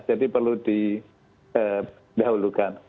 jadi perlu di dahulukan